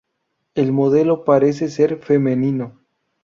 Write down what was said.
El modelo parece ser femenino.